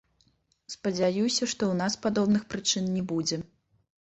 Спадзяюся, што ў нас падобных прычын не будзе.